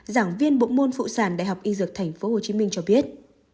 giảng viên bộ môn phụ sản đại học y dược tp hcm cho biết